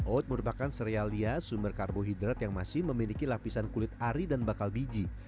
oat merupakan serealia sumber karbohidrat yang masih memiliki lapisan kulit ari dan bakal biji